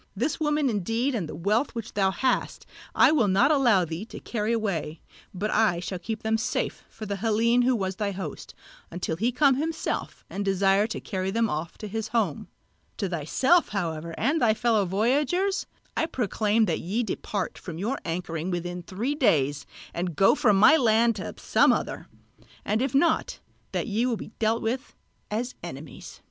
This woman indeed and the wealth which thou hast I will not allow thee to carry away, but I shall keep them safe for the Hellene who was thy host, until he come himself and desire to carry them off to his home; to thyself however and thy fellow voyagers I proclaim that ye depart from your anchoring within three days and go from my land to some other; and if not, that ye will be dealt with as enemies."